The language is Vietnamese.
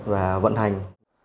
và vận hành